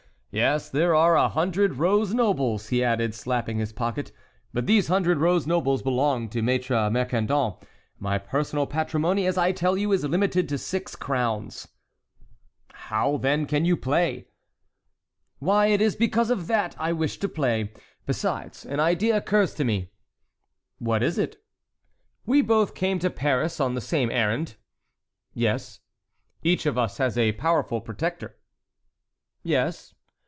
Yes, there are here a hundred rose nobles," he added, slapping his pocket, "but these hundred rose nobles belong to Maître Mercandon. My personal patrimony, as I tell you, is limited to six crowns." "How, then, can you play?" "Why, it is because of that I wished to play. Besides, an idea occurs to me." "What is it?" "We both came to Paris on the same errand." "Yes." "Each of us has a powerful protector." "Yes."